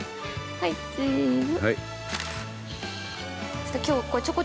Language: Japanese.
◆はい、チーズ。